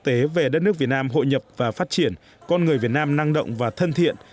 tế về đất nước việt nam hội nhập và phát triển con người việt nam năng động và thân thiện